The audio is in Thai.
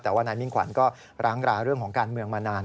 แต่ว่านายมิ่งขวัญก็ร้างราเรื่องของการเมืองมานาน